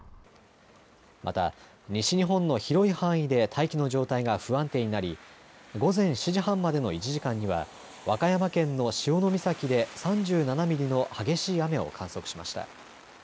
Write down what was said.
また西日本の広い範囲で大気の状態が不安定になり、午前７時半までの１時間には、和歌山県の潮岬で３７ミリの激しい雨を観測しました。